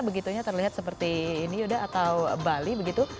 begitunya terlihat seperti ini atau bali